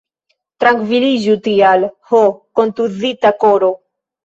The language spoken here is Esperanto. Trankviliĝu, tial, ho, kontuzita koro!